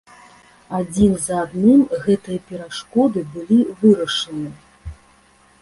Адзін за адным гэтыя перашкоды былі вырашаны.